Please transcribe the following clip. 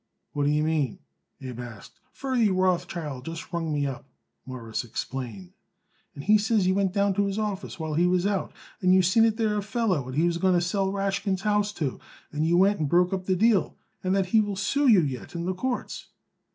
"What d'ye mean?" Abe asked. "Ferdy Rothschild just rung me up," Morris explained, "and he says you went down to his office while he was out, and you seen it there a feller what he was going to sell Rashkin's house to, and you went and broke up the deal, and that he will sue you yet in the courts."